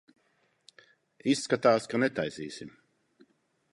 Izskatās, ka netaisīsim.